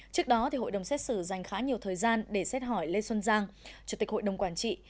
trước đó hội đồng xét xử dành khá nhiều thời gian để xét hỏi lê xuân giang chủ tịch hội đồng quản trị